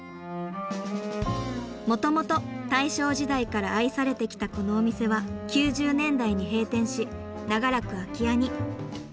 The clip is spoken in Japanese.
もともと大正時代から愛されてきたこのお店は９０年代に閉店し長らく空き家に。